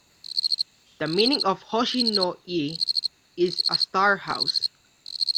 The meaning of "Hoshi-no-ie" is "a star house".